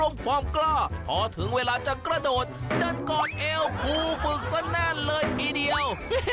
เอาล่ะครับรวมรวมความกล้าพอถึงเวลาจะกระโดดนั่นก่อนเอ้วครูปลืกและนั่นเลยทีเดียว